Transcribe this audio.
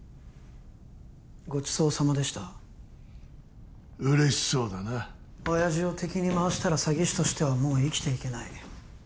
ごちそうさまでした嬉しそうだな親爺を敵に回したら詐欺師としてはもう生きていけない